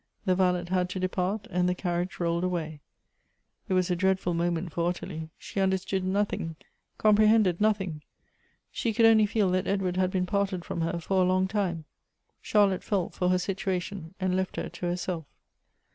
The valet had to depart, and the carriage rolled away. It was a dreadful moment for Ottilie. She understood nothing — comprehended nothing. She could only feel that Edward had been parted from her for a long time. Charlotte felt for her situation, and left her to herself.